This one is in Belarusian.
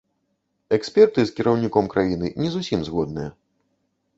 Эксперты з кіраўніком краіны не зусім згодныя.